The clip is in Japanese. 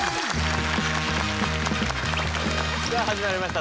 さあ始まりました